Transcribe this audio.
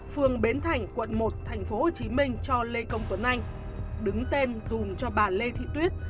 phường bến thành quận một tp hcm cho lê công tuấn anh đứng tên dùm cho bà lê thị tuyết